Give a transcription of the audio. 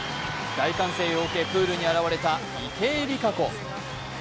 大歓声を受け、プールに現れた池江璃花子。